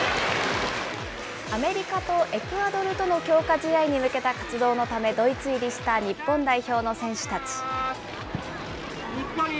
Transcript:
アメリカとエクアドルとの強化試合に向けた活動のため、ドイツ入りした日本代表の選手たち。